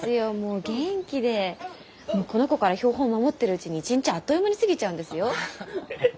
もうこの子から標本を守ってるうちに一日あっという間に過ぎちゃうんですよ。